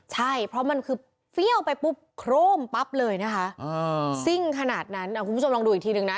ใช่เพราะมันคือเฟี้ยวไปปุ๊บโครมปั๊บเลยนะคะซิ่งขนาดนั้นคุณผู้ชมลองดูอีกทีหนึ่งนะ